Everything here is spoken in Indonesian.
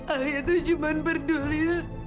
alia tuh cuman peduli